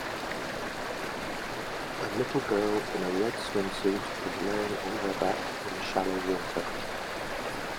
A little girl in a red swimsuit is laying on her back in shallow water.